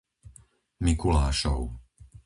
Mikulášov